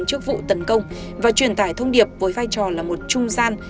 trước vụ tấn công và truyền tải thông điệp với vai trò là một trung gian